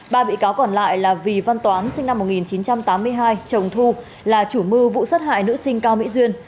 ba bị cáo còn lại là vì văn toán sinh năm một nghìn chín trăm tám mươi hai chồng thu là chủ mưu vụ sát hại nữ sinh cao mỹ duyên